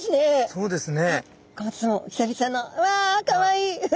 そうですね。